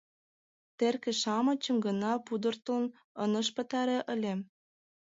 Терке-шамычым гына пудыртыл ынышт пытаре ыле...